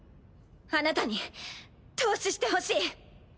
あなたに投資してほしい。